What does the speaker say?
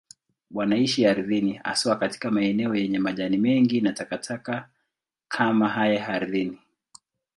Wanaishi ardhini, haswa katika maeneo yenye majani mengi na takataka kama haya ardhini.